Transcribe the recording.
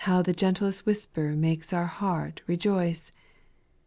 243 How the gentlest whisper makes our heart rejoice